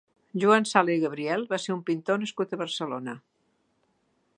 Joan Sala i Gabriel va ser un pintor nascut a Barcelona.